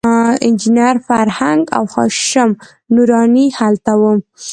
انجینر فرهنګ او هاشم نوراني هلته وو.